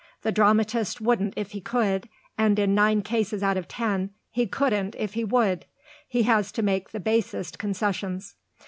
The dramatist wouldn't if he could, and in nine cases out of ten he couldn't if he would. He has to make the basest concessions.